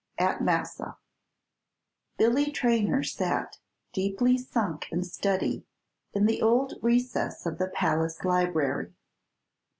AT MASSA Billy Traynor sat, deeply sunk in study, in the old recess of the palace library.